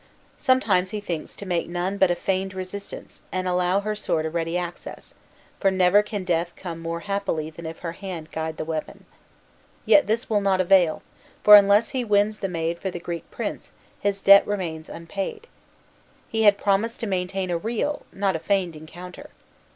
Sometimes he thinks to make none but a feigned resistance, and allow her sword a ready access, for never can death come more happily than if her hand guide the weapon. Yet this will not avail, for, unless he wins the maid for the Greek prince, his debt remains unpaid. He had promised to maintain a real, not a feigned encounter.